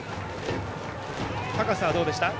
高さは、どうでした？